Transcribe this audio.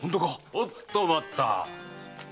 おっと待った！